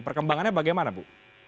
perkembangannya bagaimana bu